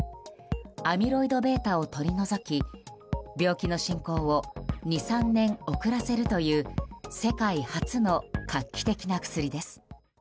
アミロイドβを取り除き病気の進行を２３年遅らせるという世界初の画期的な薬です。